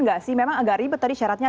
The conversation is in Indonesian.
nggak sih memang agak ribet tadi syaratnya